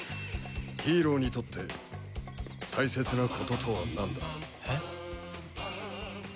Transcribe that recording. ヒーローにとって大切な事とはなんだ？えっ？